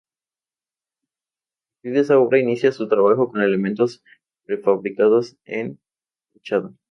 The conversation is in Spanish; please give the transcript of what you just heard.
A partir de esta obra inicia su trabajo con elementos prefabricados en fachada.